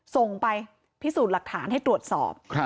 ส่งไปพิสูจน์หลักฐานให้ตรวจสอบ